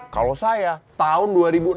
kalau saya tahun dua ribu enam belas